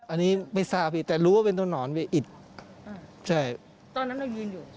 อันนี้ไม่ทราบพี่แต่รู้ว่าเป็นตัวหนอนไปอิดอ่าใช่ตอนนั้นเรายืนอยู่